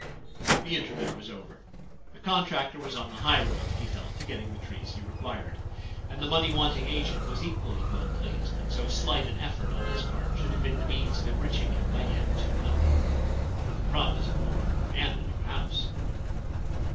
The interview was over. The contractor was on the high road, he felt, to getting the trees he required, and the money wanting agent was equally well pleased that so slight an effort on his part should have been the means of enriching him by yen 200, with the promise of more and a new house.